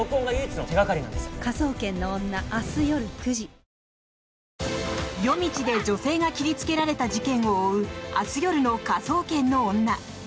お申込みは夜道で女性が切りつけられた事件を追う明日夜の「科捜研の女」。